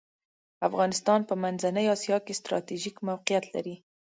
افغانستان په منځنۍ اسیا کې ستراتیژیک موقیعت لری .